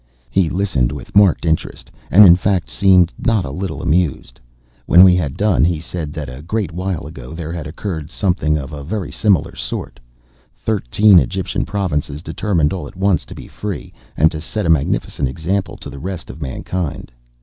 He listened with marked interest, and in fact seemed not a little amused. When we had done, he said that, a great while ago, there had occurred something of a very similar sort. Thirteen Egyptian provinces determined all at once to be free, and to set a magnificent example to the rest of mankind.